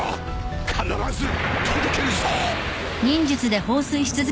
必ず届けるぞ！